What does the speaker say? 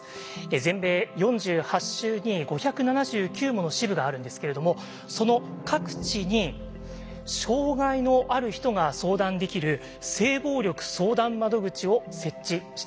全米４８州に５７９もの支部があるんですけれどもその各地に障害のある人が相談できる性暴力相談窓口を設置しています。